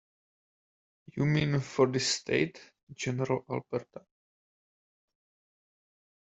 You mean for this State, General, Alberta.